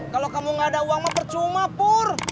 kalau kamu gak ada uang mah percuma pur